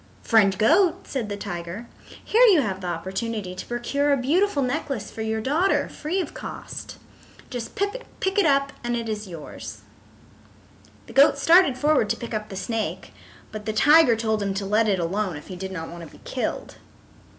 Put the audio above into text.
"Friend Goat," said the tiger, "here you have the opportunity to procure a beautiful necklace for your daughter, free of cost. Just pick it up and it is yours." The goat started forward to pick up the snake, but the tiger told him to let it alone if he did not want to be killed.